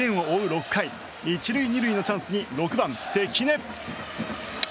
６回１塁２塁のチャンスに６番、関根。